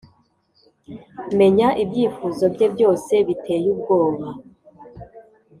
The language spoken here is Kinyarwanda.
menya ibyifuzo bye byose biteye ubwoba